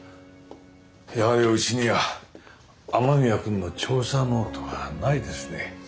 やはりうちには雨宮君の調査ノートはないですね。